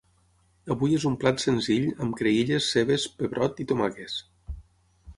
Avui és un plat senzill amb creïlles, cebes, pebrot i tomaques.